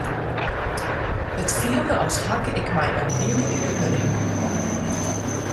It fielde as hakke ik mei in bile yn in pudding.